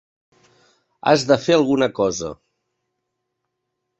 Has de fer alguna cosa!